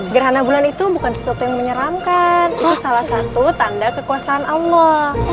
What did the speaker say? gerhana bulan itu bukan sesuatu yang menyeramkan ini salah satu tanda kekuasaan allah